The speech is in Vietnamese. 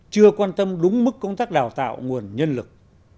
chưa quan tâm đúng mức công tác đào tạo nguồn nhân lực